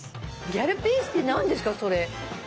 ギャルピースって何ですかそれ？